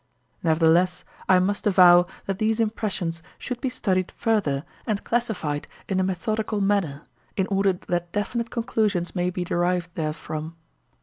"Nevertheless, I must avow that these impressions should be studied further and classified in a methodical manner, in order that definite conclusions may be derived therefrom.